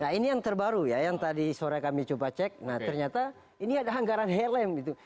nah ini yang terbaru ya yang tadi sore kami coba cek nah ternyata ini ada anggaran helm gitu